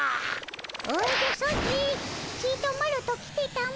おじゃソチちとマロと来てたも。